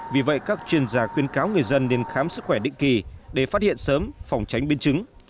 vì vậy các chuyên gia khuyên cáo người dân nên khám sức khỏe định kỳ để phát hiện sớm phòng tránh biến chứng